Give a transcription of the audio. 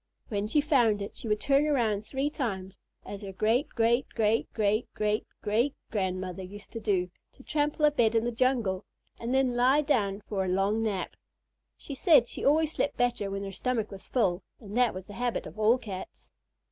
When she found it, she would turn around three times, as her great great great great great great grandmother used to do to trample a bed in the jungle, and then lie down for a long nap. She said she always slept better when her stomach was full, and that was the habit of all Cats.